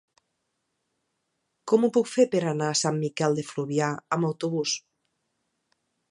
Com ho puc fer per anar a Sant Miquel de Fluvià amb autobús?